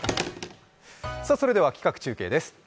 それでは企画中継です。